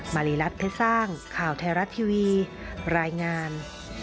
มาริรัตน์เพศร้างข่าวแทรรัตทีวีรายงาน